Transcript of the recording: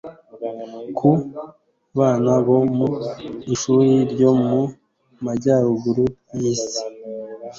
Ku bana bo mu ishuri ryo mu majyaruguru yisi